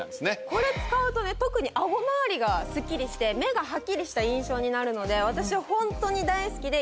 これ使うと特に顎周りがすっきりして目がはっきりした印象になるので私はホントに大好きで。